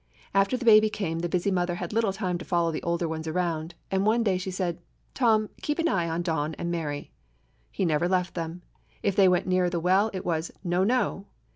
After the baby came the busy mother had little time to follow the older ones around, and one day she said, "Tom, keep an eye on Don and Mary." He never left them. If they went near the well, it was "No, no!"